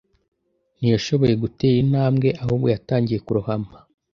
ntiyashoboye gutera intambwe, ahubwo yatangiye kurohama